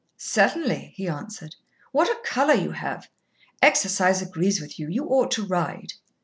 "Certainly," he answered. "What a colour you have! Exercise agrees with you. You ought to ride."